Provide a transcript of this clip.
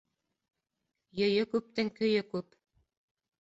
Йөйө күптең көйө күп.